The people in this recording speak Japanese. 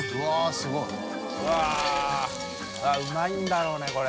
繊あぁうまいんだろうねこれ。